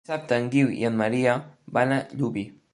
Dissabte en Guiu i en Maria van a Llubí.